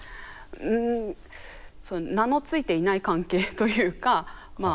うん名の付いていない関係というかまあ